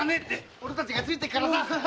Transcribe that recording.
俺たちが付いてるからさ！